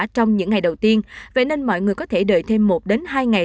trong những ngày đầu tiên vậy nên mọi người có thể đợi thêm một hai ngày